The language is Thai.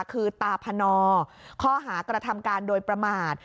คือตาพนข้อหากระทำการโดยประมาท